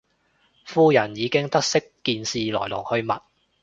夫人已經得悉件事來龍去脈